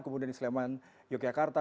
kemudian di sleman yogyakarta